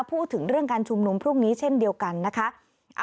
พูดถึงเรื่องการชุมนุมพรุ่งนี้เช่นเดียวกันนะคะ